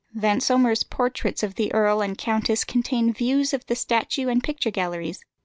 Vansomer's portraits of the earl and countess contain views of the statue and picture galleries.